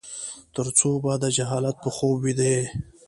ترڅو به د جهالت په خوب ويده يې ؟